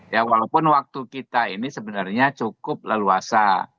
ya walaupun waktu kita ini sebenarnya cukup leluasa